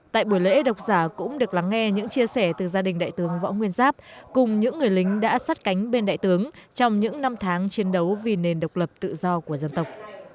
tại buổi lễ độc giả cũng được lắng nghe những chia sẻ từ gia đình đại tướng võ nguyên giáp cùng những người lính đã sát cánh bên đại tướng trong những năm tháng chiến đấu vì nền độc lập tự do của dân tộc